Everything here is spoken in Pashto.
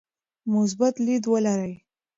مثبت لید ولرئ.